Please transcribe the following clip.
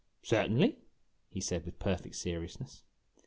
" Certainly," he said, with perfect seriousness.